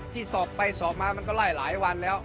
ที่สอบไปสอบมามันก็ไล่หลายวันแล้ว